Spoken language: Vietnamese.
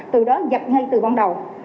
từ đó dập ngay từ ban đầu